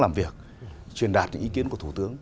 làm việc truyền đạt ý kiến của thủ tướng